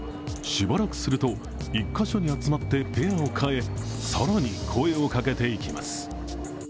しばらくすると、１カ所に集まってペアを変え更に声をかけていきます。